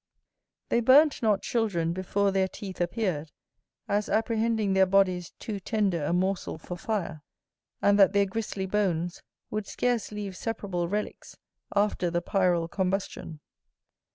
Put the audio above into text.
They burnt not children before their teeth appeared, as apprehending their bodies too tender a morsel for fire, and that their gristly bones would scarce leave separable relicks after the pyral combustion.